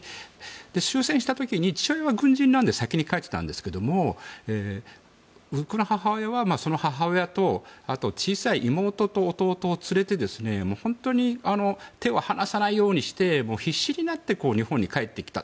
終戦した時に父親は軍人なんで先に帰ってたんですが僕の母親はその母親と小さい妹と弟を連れて手を離さないようにして必死になって日本に帰ってきた。